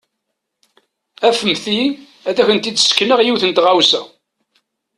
Anfemt-iyi ad kent-id-sekneɣ yiwet n tɣawsa.